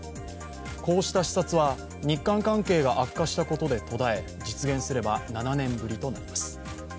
こうした視察は、日韓関係が悪化したことで途絶え、実現すれば７年ぶりということです